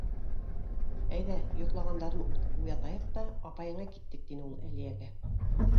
— Әйҙә, йоҡлағандарын уятайыҡ та, апайыңа киттек, — тине ул Әлиәгә.